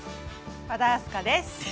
和田明日香です。